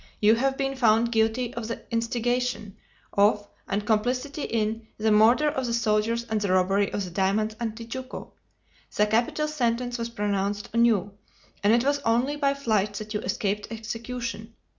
You have been found guilty of the instigation of, and complicity in, the murder of the soldiers and the robbery of the diamonds at Tijuco, the capital sentence was pronounced on you, and it was only by flight that you escaped execution.